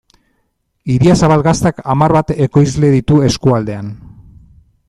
Idiazabal Gaztak hamar bat ekoizle ditu eskualdean.